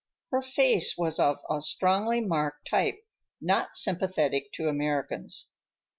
Her face was of a strongly marked type not sympathetic to Americans.